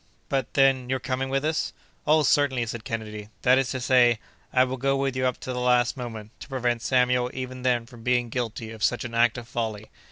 "But, then, you're coming with us!" "Oh! certainly," said Kennedy; "that is to say, I will go with you up to the last moment, to prevent Samuel even then from being guilty of such an act of folly!